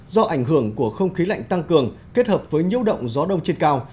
do ảnh hưởng của không khí lạnh tăng cường kết hợp với nhiễu động gió đông trên cao